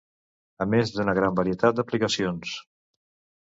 A més d'una gran varietat d'aplicacions.